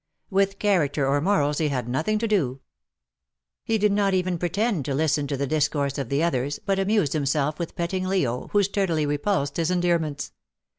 With character or morals he had nothing to do. He did not evea pretend to listen to the discourse of the others^ but amused himself with petting Leo, who sturdily repulsed his endearments.